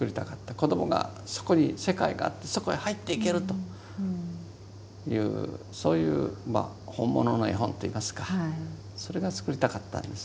子どもがそこに世界があってそこへ入っていけるというそういうまあ本物の絵本といいますかそれが作りたかったんです。